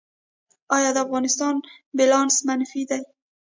آیا د افغانستان بیلانس منفي دی؟